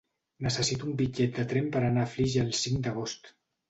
Necessito un bitllet de tren per anar a Flix el cinc d'agost.